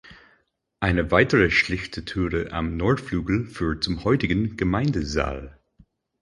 Eine weitere schlichte Türe am Nordflügel führt zum heutigen Gemeindesaal.